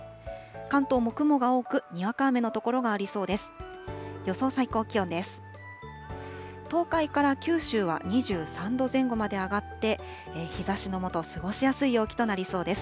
関東も雲が多く、にわか雨の所がありそうです。